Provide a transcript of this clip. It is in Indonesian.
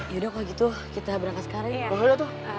yaudah kalau gitu kita berangkat sekarang ya